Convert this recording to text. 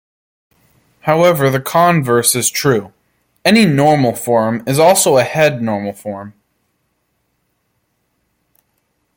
However, the converse is true: any normal form is also a head normal form.